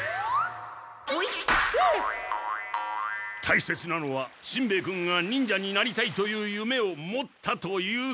たいせつなのはしんべヱ君が忍者になりたいというゆめを持ったということなんだ。